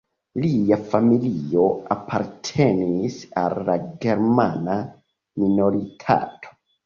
Lia familio apartenis al la germana minoritato.